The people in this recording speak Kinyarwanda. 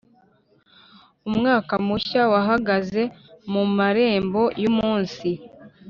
umwaka mushya wahagaze mu marembo yumunsi,